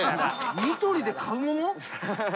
ニトリで買うもの？